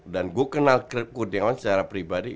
dan gue kenal kurniawan secara pribadi